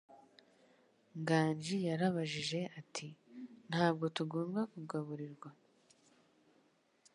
Nganji yarabajije ati: "Ntabwo tugomba kugaburirwa?"